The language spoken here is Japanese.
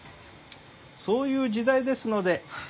そういう時代ですので。